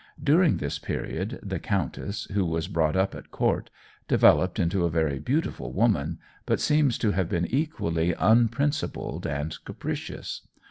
During this period the countess, who was brought up at court, developed into a very beautiful woman, but seems to have been equally unprincipled and capricious.